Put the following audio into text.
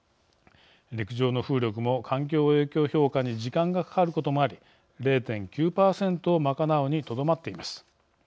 陸上の風力も環境影響評価に時間がかかることもあり０．９％を賄うにとどまっています。